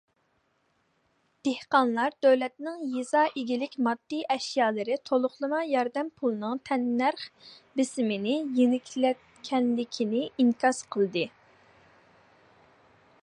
دېھقانلار دۆلەتنىڭ يېزا ئىگىلىك ماددىي ئەشيالىرى تولۇقلىما ياردەم پۇلىنىڭ تەننەرخ بېسىمىنى يېنىكلەتكەنلىكىنى ئىنكاس قىلدى.